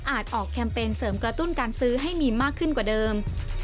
ออกแคมเปญเสริมกระตุ้นการซื้อให้มีมากขึ้นกว่าเดิม